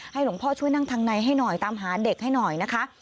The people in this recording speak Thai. หลวงพ่อช่วยนั่งทางในให้หน่อยตามหาเด็กให้หน่อยนะคะ